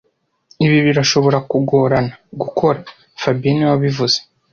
Ibi birashobora kugorana gukora fabien niwe wabivuze